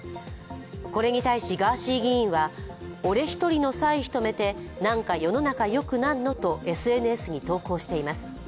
これに対しガーシー議員は俺１人の歳費止めて、なんか世の中よくなんの？とＳＮＳに投稿しています。